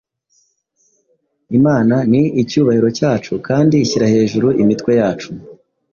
Imana ni icyubahiro cyacu kandi ishyira hejuru imitwe yacu.